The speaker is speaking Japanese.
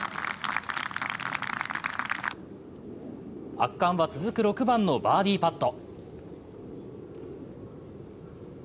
圧巻は続く６番のバーディーパット。